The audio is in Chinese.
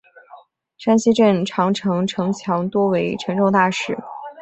山西镇长城城墙多为沉重大石。